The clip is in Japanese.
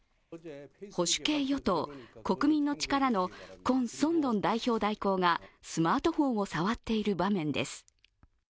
保守系与党、国民の力のクォン・ソンドン代表代行がスマートフォンを触っている場面です。